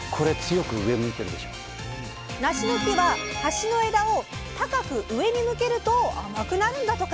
なしの木は端の枝を高く上に向けると甘くなるんだとか。